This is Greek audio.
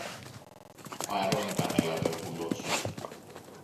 Παρών! επανέλαβε ο κουλός.